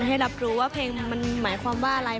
ให้รับรู้ว่าเพลงมันหมายความว่าอะไร